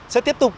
sẽ tiếp tục